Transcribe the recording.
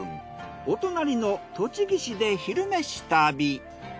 お隣の栃木市で「昼めし旅」。